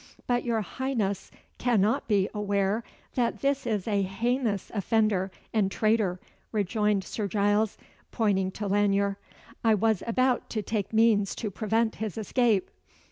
"But your Highness cannot be aware that this is a heinous offender and traitor," rejoined Sir Giles, pointing to Lanyere. "I was about to take means to prevent his escape."